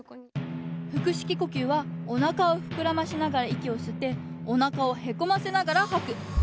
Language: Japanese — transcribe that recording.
腹式呼吸はおなかをふくらませながら息を吸っておなかをへこませながらはく。